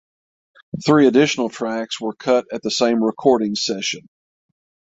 Three additional tracks were cut at the same recording session.